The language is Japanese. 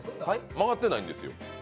曲がってないんですよ。